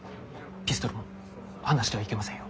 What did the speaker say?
ピストルも離してはいけませんよ。